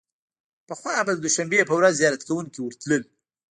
پخوا به د دوشنبې په ورځ زیارت کوونکي ورتلل.